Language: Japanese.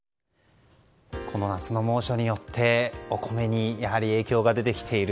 この夏の猛暑によって、お米にやはり影響が出てきている。